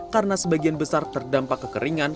karena sebagian besar terdampak kekeringan